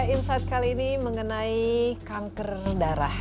insight kali ini mengenai kanker darah